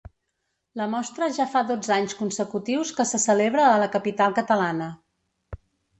La mostra ja fa dotze anys consecutius que se celebra a la capital catalana.